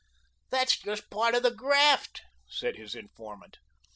"That's just part of the graft," said his informant.